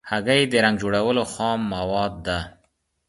هګۍ د رنګ جوړولو خام مواد ده.